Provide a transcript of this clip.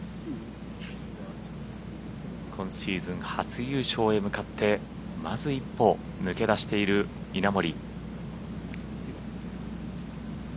今シーズン初優勝へ向かってまず一歩抜け出している稲森。